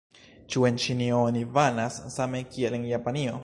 Ĉu en Ĉinio oni banas same kiel en Japanio?